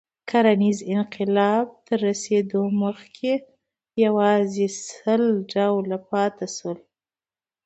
کرنیز انقلاب ته تر رسېدو مخکې یواځې سل ډوله پاتې شول.